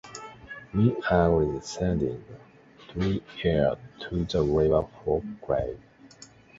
Min agrees, sending Tree-ear to the river for clay.